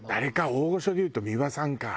大御所でいうと美輪さんか。